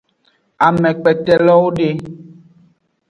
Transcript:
Amekpetelowo de.